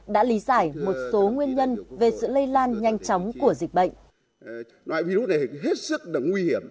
đã lý giải một số nguyên nhân về sự lây lan nhanh chóng của dịch bệnh